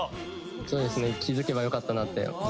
そうですね気付けばよかったなって思います。